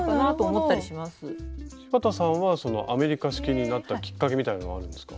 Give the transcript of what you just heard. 柴田さんはそのアメリカ式になったきっかけみたいなのはあるんですか？